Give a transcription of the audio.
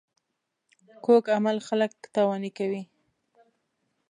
کوږ عمل خلک تاواني کوي